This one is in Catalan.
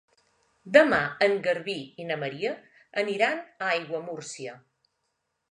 Demà en Garbí i na Maria aniran a Aiguamúrcia.